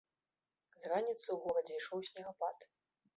З раніцы ў горадзе ішоў снегапад.